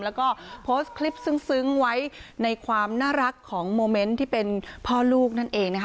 แล้วก็โพสต์คลิปซึ้งไว้ในความน่ารักของโมเมนต์ที่เป็นพ่อลูกนั่นเองนะคะ